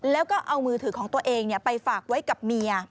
แล้วก็เอามือถือของตัวเองไปฝากไว้กับเมีย